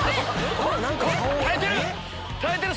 耐えてる！